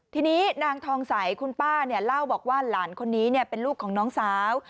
ทีนี้นางทองใสคุณป้าเล่าบอกว่าหลานคนนี้เป็นลูกของน้องสาว